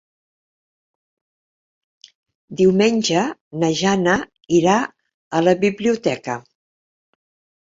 Diumenge na Jana irà a la biblioteca.